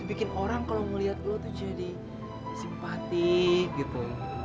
bikin orang kalau melihat lo tuh jadi simpatik gitu